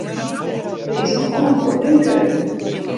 Der is noch wol in probleemke.